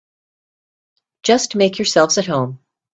Just make yourselves at home.